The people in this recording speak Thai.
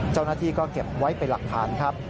เจ้าหน้าที่ก็เก็บไว้เป็นหลักฐานครับ